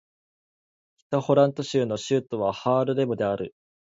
北ホラント州の州都はハールレムである